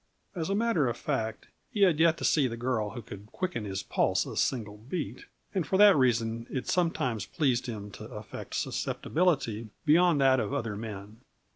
As a matter of fact, he had yet to see the girl who could quicken his pulse a single beat, and for that reason it sometimes pleased him to affect susceptibility beyond that of other men.